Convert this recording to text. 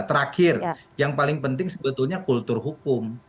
terakhir yang paling penting sebetulnya kultur hukum